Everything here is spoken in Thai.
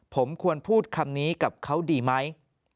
ผมควรพูดคำนี้กับเขาดีไหม